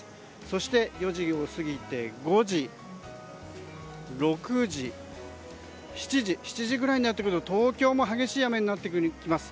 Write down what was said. そして４時を過ぎて５時６時、７時くらいになってくると東京も激しい雨になってきます。